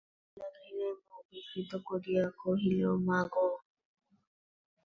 কমলা ঘৃণায় মুখ বিকৃত করিয়া কহিল, মা গো!